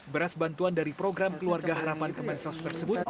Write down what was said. beras bantuan dari program keluarga harapan kemensos tersebut